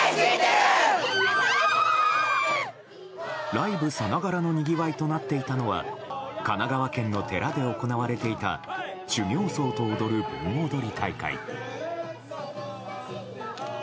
ライブさながらのにぎわいとなっていたのは神奈川県の寺で行われていた修行僧と踊る盆踊り大会。